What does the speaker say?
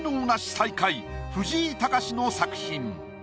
最下位藤井隆の作品。